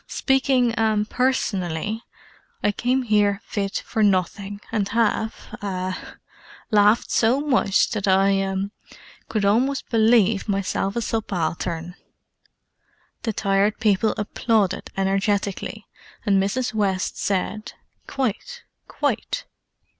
Speaking—ah—personally, I came here fit for nothing, and have—ah—laughed so much that I—ah—could almost believe myself a subaltern!" The Tired People applauded energetically, and Mrs. West said "Quite—quite!"